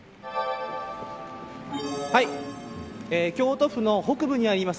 京都府の北部にあります